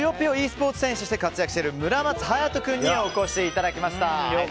ｅスポーツ選手として活躍している村松勇人君にお越しいただきました。